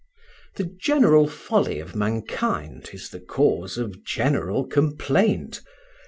The general folly of mankind is the cause of general complaint.